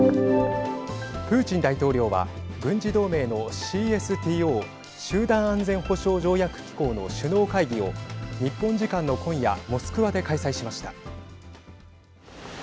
プーチン大統領は軍事同盟のＣＳＴＯ集団安全保障条約機構の首脳会議を日本時間の今夜モスクワで開催しました。